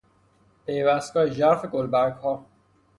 پیوستگاه ژرف گلبرگها